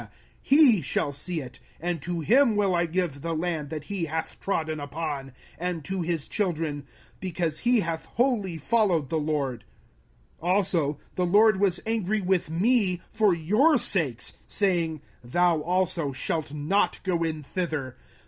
05:001:036 Save Caleb the son of Jephunneh; he shall see it, and to him will I give the land that he hath trodden upon, and to his children, because he hath wholly followed the LORD. 05:001:037 Also the LORD was angry with me for your sakes, saying, Thou also shalt not go in thither.